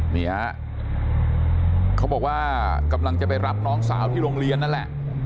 นี่ฮะเขาบอกว่ากำลังจะไปรับน้องสาวที่โรงเรียนนั่นแหละ